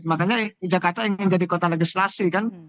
makanya jakarta ingin jadi kota legislasi kan